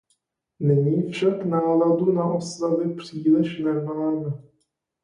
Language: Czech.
Nyní však náladu na oslavy příliš nemáme.